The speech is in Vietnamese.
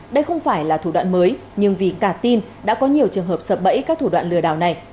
đây không phải là thủ đoạn mới nhưng vì cả tin đã có nhiều trường hợp sập bẫy các thủ đoạn lừa đảo này